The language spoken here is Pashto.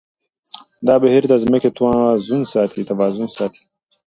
دا بهير د ځمکې توازن ساتي.